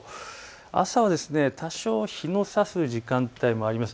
朝は多少日のさす時間帯もあります。